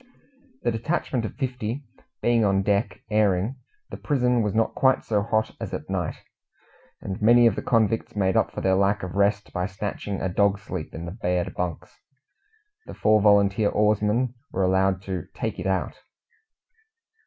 The detachment of fifty being on deck airing the prison was not quite so hot as at night, and many of the convicts made up for their lack of rest by snatching a dog sleep in the bared bunks. The four volunteer oarsmen were allowed to "take it out."